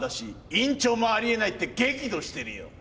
院長もありえないって激怒してるよ。